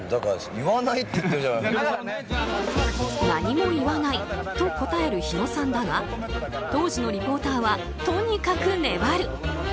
何も言わないと答える火野さんだが当時のリポーターはとにかく粘る。